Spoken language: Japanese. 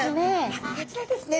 あっこちらですね。